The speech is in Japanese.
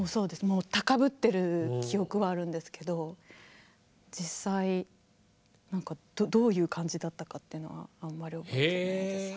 もう高ぶってる記憶はあるんですけど実際何かどういう感じだったかというのはあんまり覚えてないです。